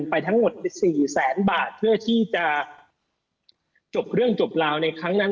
ด้วยการจ่ายเงินไปทั้งหมด๔แสนบาทเพื่อที่จะจบเรื่องจบราวในครั้งนั้น